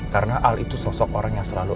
karena al itu sosok orang yang selalu